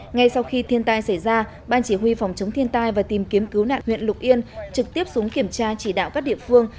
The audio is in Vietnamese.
ngay sau khi thiên tai xảy ra ban chỉ huy phòng chống thiên tai và tìm kiếm cứu nạn huyện lục yên trực tiếp xuống kiểm tra chỉ đạo các địa phương